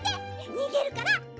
にげるから。